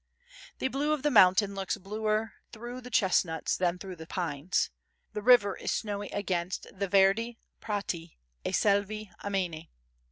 The blue of the mountains looks bluer through the chestnuts than through the pines. The river is snowy against the "Verdi prati e selve amene."